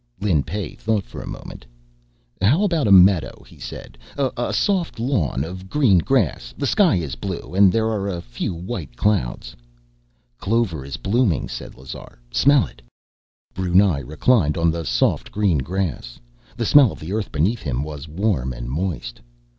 Lin Pey thought for a moment. "How about a meadow?" he said. "A soft lawn of green grass, the sky is blue, and there are a few white clouds...." "Clover is blooming," said Lazar. "Smell it." Brunei reclined on the soft green grass. The smell of the earth beneath him was warm and moist.